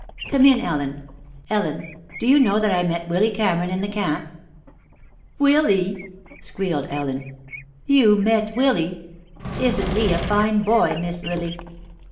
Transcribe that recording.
Come in, Ellen. Ellen, do you know that I met Willy Cameron in the camp?" "Willy!" squealed Ellen. "You met Willy? Isn't he a fine boy, Miss Lily?"